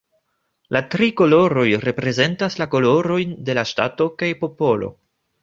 La tri koloroj reprezentas la kolorojn de la ŝtato kaj popolo.